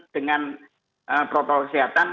dengan protokol kesehatan